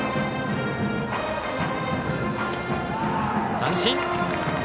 三振。